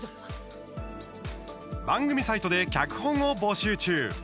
番組サイトで脚本を募集中。